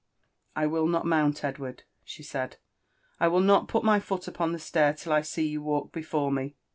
I will not mount, Edward !'* she said ;I will not put my fool upon the stair till I see you walk before me."